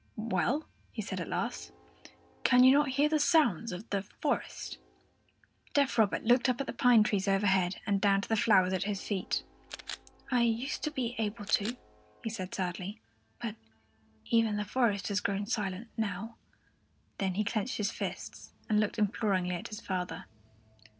"Well," he said at last, "can you not hear the sounds of the forest?" Deaf Robert looked up at the pine trees overhead and down to the flowers at his feet. "I used to be able to," he said sadly, "but even the forest has grown silent now." Then he clenched his fists and looked imploringly at his father.